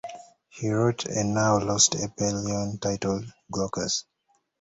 He wrote a now lost epyllion titled "Glaucus".